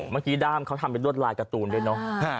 เมื่อกี้ด้ามเขาทำเป็นรวดลายการ์ตูนด้วยเนอะ